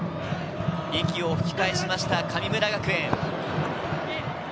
息を吹き返しました、神村学園。